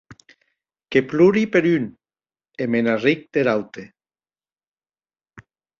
Que plori per un, e me n’arric der aute.